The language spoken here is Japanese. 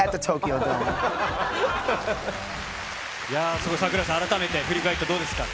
すごい、櫻井さん、改めて振り返って、どうですか？